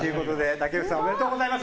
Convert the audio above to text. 武内さんおめでとうございます。